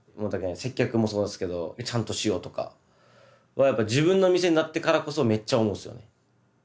だけん接客もそうですけどちゃんとしようとかはやっぱ自分の店になってからこそめっちゃ思うんすよね。